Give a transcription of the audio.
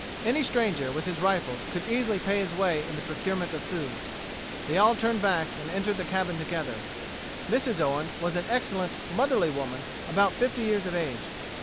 Any stranger, with his rifle, could easily pay his way in the procurement of food. They all turned back and entered the cabin together. Mrs. Owen was an excellent, motherly woman, about fifty years of age.